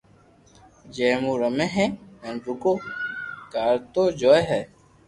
جي مون رمي ھي ھين رگو ڪارٽون جوئي ھي